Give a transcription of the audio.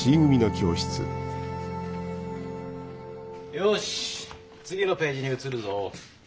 よし次のページに移るぞ。